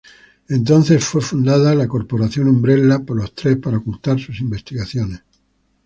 Entonces fue fundada la Corporación Umbrella por los tres para ocultar sus investigaciones.